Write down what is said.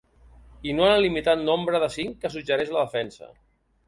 I no en el limitat nombre de cinc que suggereix la defensa.